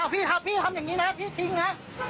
พี่ทำอย่างนี้นะพี่จริงนะ